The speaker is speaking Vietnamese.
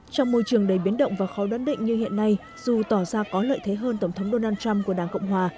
trong môi trường đầy biến động và khó đoán định như hiện nay dù tỏ ra có lợi thế hơn tổng thống donald trump của đảng cộng hòa